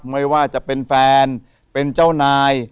ไม่ว่าจะเป็นแฟนเป็นเจ้านาย